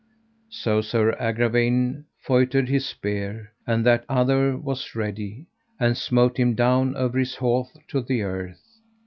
So Sir Agravaine feutred his spear, and that other was ready, and smote him down over his horse to the earth.